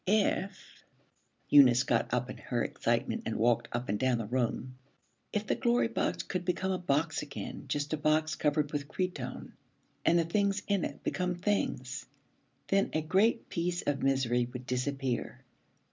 If Eunice got up in her excitement and walked up and down the room if the Glory Box could become a box again, just a box covered with cretonne, and the things in it become things, then a great piece of misery would disappear.